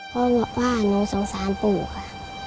เพราะว่าหนูสงสารปู่ค่ะ